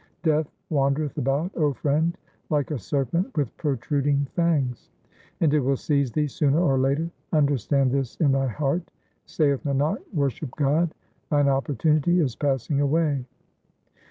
Death wandereth about, O friend, like a serpent with pro truding fangs, And it will seize thee sooner or later ; understand this in thy heart. Saith Nanak, worship God ; thine opportunity is passing away.